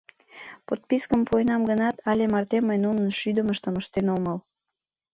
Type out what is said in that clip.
Подпискым пуэнам гынат, але марте мый нунын шӱдымыштым ыштен омыл.